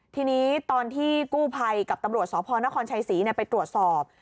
ทีนี้ตอนที่กู้ภัยกับตำรวจสพนครชัยศรีไปตรวจสอบ